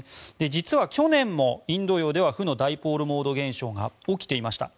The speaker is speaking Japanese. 実は去年もインド洋では負のダイポールモード現象が起きていました。